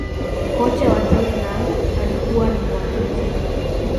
kocha wa tottenham alikuwa ni muargentina